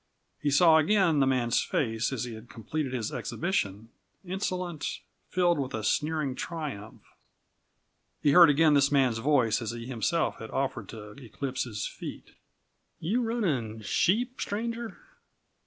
He saw again the man's face as he had completed his exhibition insolent, filled with a sneering triumph. He heard again this man's voice, as he himself had offered to eclipse his feat: "You runnin' sheep, stranger?"